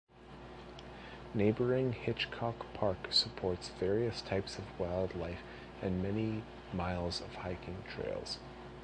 Neighboring Hitchcock Park supports various types of wildlife and many miles of hiking trails.